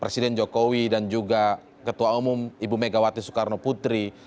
presiden jokowi dan juga ketua umum ibu megawati soekarno putri